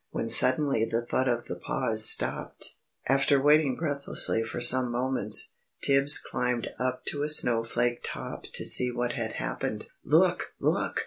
When suddenly the thud of the paws stopped. After waiting breathlessly for some moments, Tibbs climbed up to a snowflake top to see what had happened. "Look! Look!"